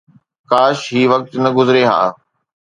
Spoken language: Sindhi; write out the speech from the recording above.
ڪاش هي وقت نه گذري ها